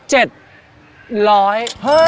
เฮ้ย